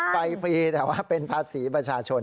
ฟรีแต่ว่าเป็นภาษีประชาชน